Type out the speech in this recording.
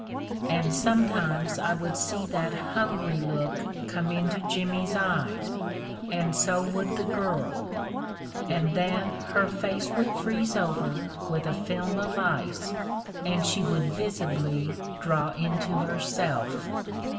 And sometimes I would see that hungry look come into Jimmy's eyes; and so would the girl; and then her face would freeze over with a film of ice, and she would visibly draw into herself.